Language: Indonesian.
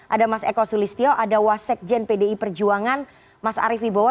ada mas eko sulistyo ada wasek jen pdi perjuangan mas arief ibowa